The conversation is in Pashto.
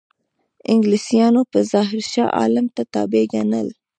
انګلیسانو په ظاهره شاه عالم ته تابع ګڼل.